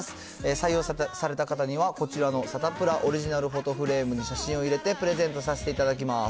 採用された方には、こちらのサタプラオリジナルフォトフレームに写真を入れてプレゼントさせていただきます。